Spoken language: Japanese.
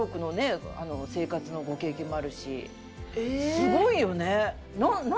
すごいよね！